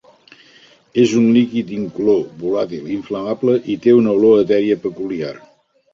És un líquid incolor, volàtil i inflamable i té una olor etèria peculiar.